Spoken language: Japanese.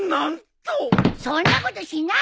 そんなことしないよ！